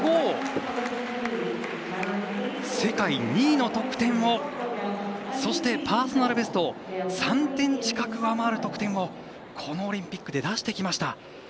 世界２位の得点をそして、パーソナルベストを３点近く上回る得点をこのオリンピックで出してきました。